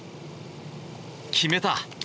決めた！